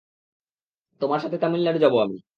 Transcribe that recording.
তোমার সাথে তামিলনাড়ু যাব আমি।